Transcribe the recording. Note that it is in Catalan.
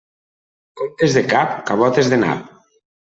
Comptes de cap, cabotes de nap.